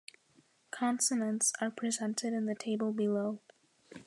Consonants are presented in the table below.